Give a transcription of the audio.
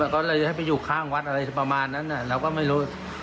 ก็เลยให้ไปอยู่ข้างวัดอะไรประมาณนั้นเราก็ไม่รู้